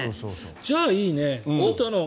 じゃあいいね。